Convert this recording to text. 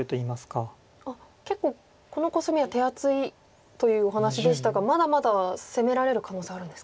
結構このコスミは手厚いというお話でしたがまだまだ攻められる可能性あるんですか。